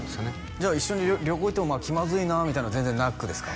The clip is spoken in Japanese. じゃあ一緒に旅行行っても気まずいなみたいなのは全然なくですか？